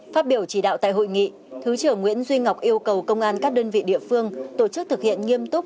phát biểu chỉ đạo tại hội nghị thứ trưởng nguyễn duy ngọc yêu cầu công an các đơn vị địa phương tổ chức thực hiện nghiêm túc